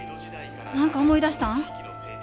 何か思い出したん？